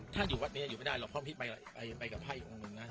ถ้าอยู่วัดนี้อยู่ไม่ได้หรอกเพราะพี่ไปกับพระอีกองค์หนึ่งนะ